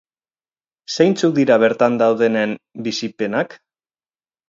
Zeintzuk dira bertan daudenen bizipenak?